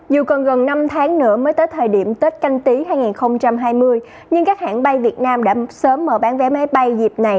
dù còn gần năm tháng nữa mới tới thời điểm tết canh tí hai nghìn hai mươi nhưng các hãng bay việt nam đã sớm mở bán vé máy bay dịp này